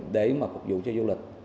để mà phục vụ cho du lịch